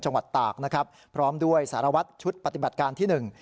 จังหวัดตากนะครับพร้อมด้วยสารวัตรชุดปฏิบัติการที่หนึ่ง